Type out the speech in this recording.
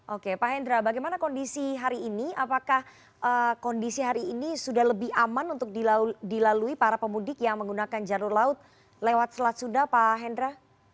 oke pak hendra bagaimana kondisi hari ini apakah kondisi hari ini sudah lebih aman untuk dilalui para pemudik yang menggunakan jalur laut lewat selat sunda pak hendra